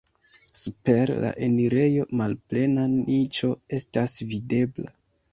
Super la enirejo malplena niĉo estas videbla.